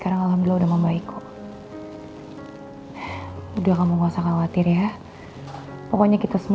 kamu ngapain buru buru pulang sih